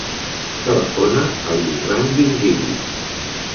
Telefona a l'Imran Virgili.